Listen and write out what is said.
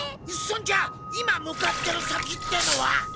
そんじゃあ今向かってる先ってのは？